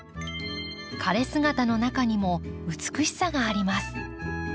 枯れ姿の中にも美しさがあります。